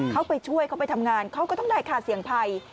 เขาไปช่วยเขาไปทำงานเขาก็ต้องได้ค่าเสี่ยงภัย